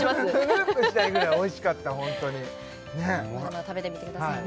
ループしたいぐらいおいしかったホントにうまい！